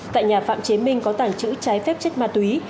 tại nhà phạm chế minh có tản chữ trái phép chất ma túy